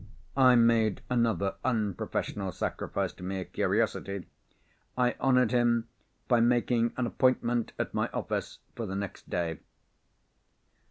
I made another unprofessional sacrifice to mere curiosity. I honoured him by making an appointment at my office, for the next day.